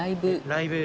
ライブ。